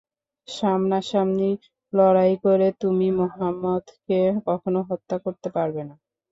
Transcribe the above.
সামনা-সামনি লড়াই করে তুমি মুহাম্মাদকে কখনও হত্যা করতে পারবে না।